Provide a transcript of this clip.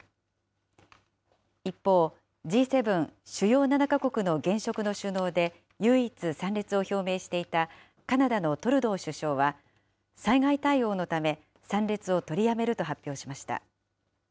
一方、Ｇ７・主要７か国の現職の首脳で唯一、参列を表明していたカナダのトルドー首相は、災害対応のため参列を取りやめると発表しました。